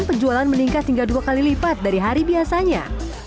penjualan meningkat hingga dua kali lipat dari hari biasanya